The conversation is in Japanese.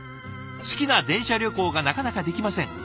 「好きな電車旅行がなかなかできません。